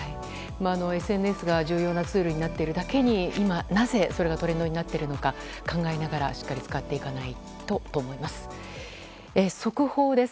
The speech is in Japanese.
ＳＮＳが重要なツールになっているだけに今なぜそれがトレンドになっているのか考えながらしっかり使っていかないとと思います。